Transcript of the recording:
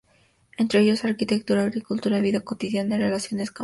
Entre ellos arquitectura, agricultura, vida cotidiana y relaciones campo-ciudad.